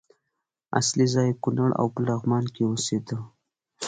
اصلي ځای یې کونړ او په لغمان کې اوسېده.